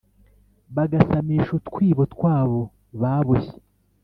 bagasamisha utwibo twabo baboshye.